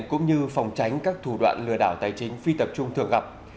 cũng như phòng tránh các thủ đoạn lừa đảo tài chính phi tập trung thường gặp